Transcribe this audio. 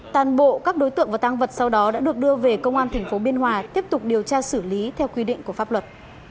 toàn bộ các đối tượng và tăng vật sau đó đã được đưa về công an tp biên hòa tiếp tục điều tra xử lý theo quy định của pháp luật